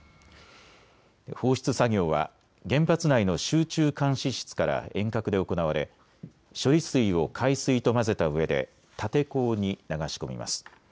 放出作業は原発内の集中監視室から遠隔で行われ処理水を海水と混ぜたうえで立て坑に流し込みます。